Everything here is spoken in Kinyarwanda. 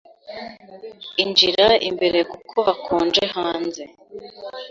Injira imbere kuko hakonje hanze.